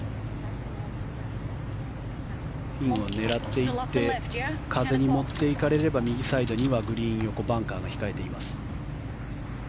ピンを狙っていって風に持っていかれれば右サイドにはグリーン横バンカーが控えています。